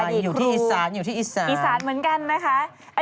อยู่ที่อีสานอีสานเหมือนกันนะคะ